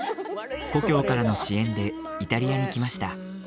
故郷からの支援でイタリアに来ました。